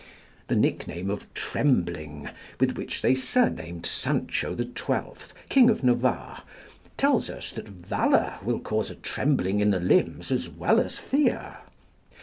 The nickname of Trembling with which they surnamed Sancho XII., king of Navarre, tells us that valour will cause a trembling in the limbs as well as fear.